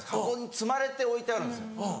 箱に積まれて置いてあるんですよ